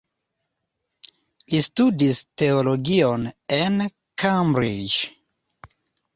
Li studis teologion en Cambridge.